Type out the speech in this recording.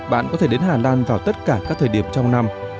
bạn có thể đến hà lan vào tất cả các thời điểm trong năm